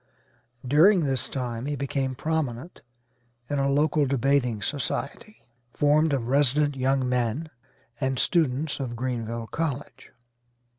During this time he became prominent in a local debating society, formed of resident young men and students of Greenville College.